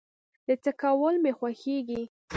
د څه کول مې خوښيږي؟